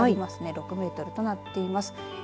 ６メートとなっています。